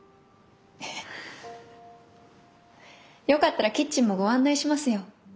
よかったらキッチンもご案内しますよ。